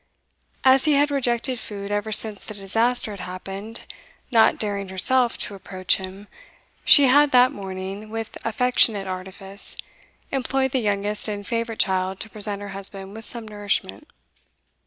As he had rejected food ever since the disaster had happened, not daring herself to approach him, she had that morning, with affectionate artifice, employed the youngest and favourite child to present her husband with some nourishment.